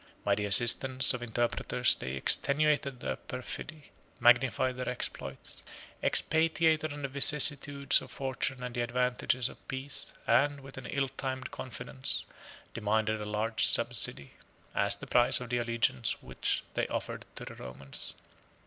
By the assistance of interpreters they extenuated their perfidy, magnified their exploits, expatiated on the vicissitudes of fortune and the advantages of peace, and, with an ill timed confidence, demanded a large subsidy, as the price of the alliance which they offered to the Romans.